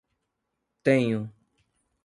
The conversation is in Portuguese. Tenho